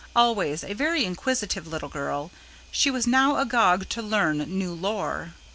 Always a very inquisitive little girl, she was now agog to learn new lore.